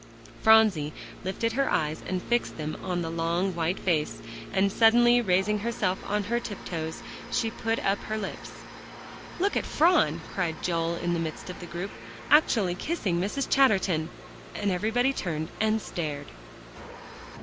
Phronsie lifted her eyes and fixed them on the long, white face, and suddenly raising herself on her tiptoes, she put up her lips. "Look at Phron," cried Joel in the midst of the group, "actually kissing Mrs. Chatterton!" and everybody turned and stared.